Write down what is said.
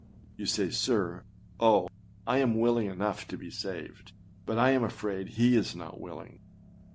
You say, âSir, oh! I am willing enough to be saved, but I am afraid he is not willing.